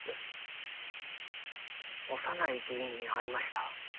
小山内議員に会いました。